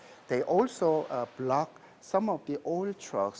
mereka juga memblokir beberapa kendaraan uang